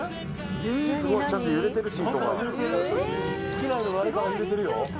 機内の何かが揺れてるよ。